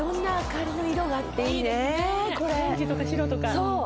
オレンジとか白とか。